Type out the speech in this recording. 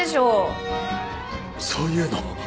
そういうの？